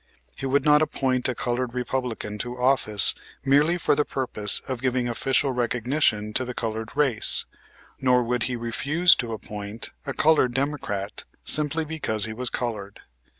He would not appoint a colored Republican to office merely for the purpose of giving official recognition to the colored race, nor would he refuse to appoint a colored Democrat simply because he was colored.